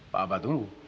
pak abah tunggu